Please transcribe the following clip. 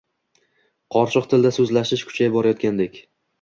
Qorishiq tilda so‘zlashish kuchayib borayotgandek.